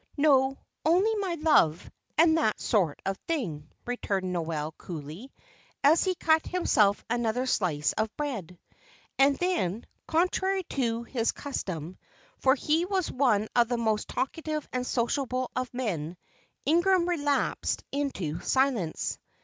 "No; only my love, and that sort of thing," returned Noel, coolly, as he cut himself another slice of bread. And then, contrary to his custom, for he was one of the most talkative and sociable of men, Ingram relapsed into silence.